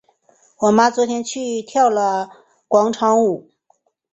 我妈昨天去了跳广场舞。